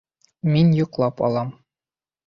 Мин йоҡлап алам.